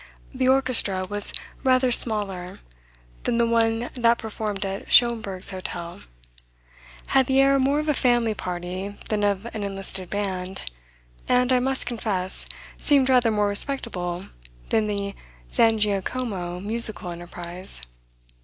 The orchestra was rather smaller than the one that performed at Schomberg's hotel, had the air more of a family party than of an enlisted band, and, I must confess, seemed rather more respectable than the Zangiacomo musical enterprise.